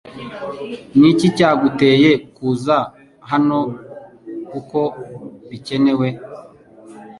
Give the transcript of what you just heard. Ni iki cyaguteye kuza hanokuko bikenewe